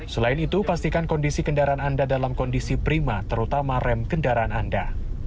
selain itu pastikan kondisi kendaraan anda dalam kondisi prima terutama rem kendaraan anda